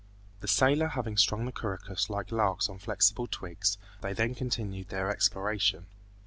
The sailor having strung the couroucous like larks on flexible twigs, they then continued their exploration.